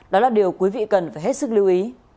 đó là điều quý vị cần phải hết sức lưu ý